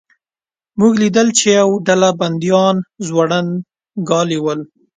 موږ لیدل چې یوه ډله بندیان زوړند کالي ول.